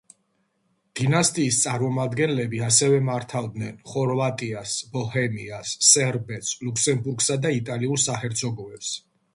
დინასტიის წარმომადგენლები ასევე მართავდნენ ხორვატიას, ბოჰემიას, სერბეთს, ლუქსემბურგსა და იტალიურ საჰერცოგოებს.